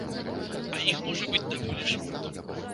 А іх можа быць даволі шмат.